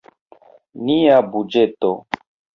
Nia budĝeto.